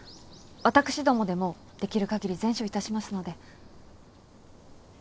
私どもでもできる限り善処いたしますので。